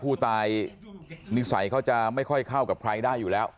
ผู้ตายนิสัยเขาจะไม่ค่อยเข้ากับใครได้อยู่แล้ว